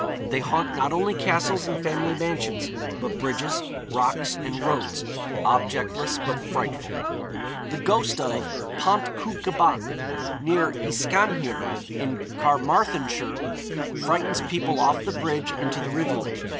They haunt not only castles and family mansions, but bridges, rocks, and roads, objectless but frightful. The ghost of Pont Cwnca Bach, near Yscanhir, in Carmarthenshire, frightens people off the bridge into the rivulet.